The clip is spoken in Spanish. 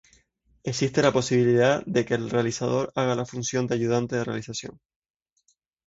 Existe la posibilidad que el realizador haga la función de ayudante de realización.